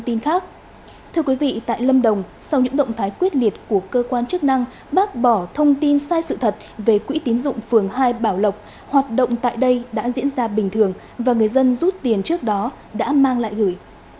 thưa quý vị tại lâm đồng sau những động thái quyết liệt của cơ quan chức năng bác bỏ thông tin sai sự thật về quỹ tín dụng phường hai bảo lộc hoạt động tại đây đã diễn ra bình thường và người dân rút tiền trước đó đã mang lại gửi